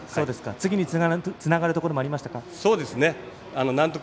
次につながるところもありましたか？